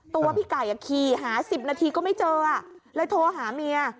ตัวพี่ไก่ขี่หา๑๐นาทีก็ไม่เจอเลยโทรหาเมีย